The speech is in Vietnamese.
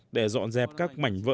để dọn dẹp các mảnh vật